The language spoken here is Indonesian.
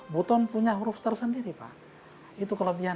buton mempunyai huruf tersendiri itukan kelebihan